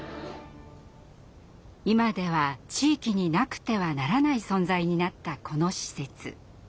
今では地域になくてはならない存在になったこの施設。